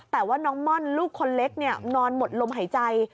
แต่ว่าน้องม่อนลูกคนเล็กนอนหมดลมหายใจ